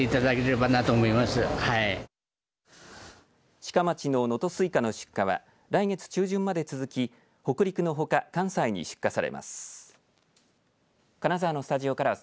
志賀町の能登すいかの出荷は来月中旬まで続き、北陸のほか関西に出荷されます。